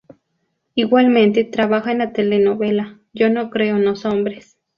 Igualmente trabaja en la telenovela Yo no creo en los hombres.